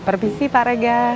permisi pak regar